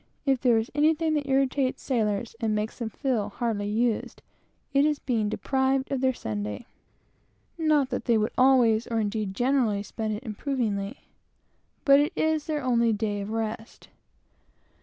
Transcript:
If there is anything that irritates sailors and makes them feel hardly used, it is being deprived of their Sabbath. Not that they would always, or indeed generally, spend it religiously, but it is their only day of rest.